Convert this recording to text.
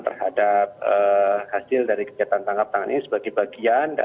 terhadap hasil dari kegiatan tangkap tangan ini sebagai bagian